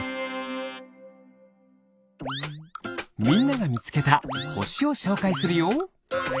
みんながみつけたほしをしょうかいするよ。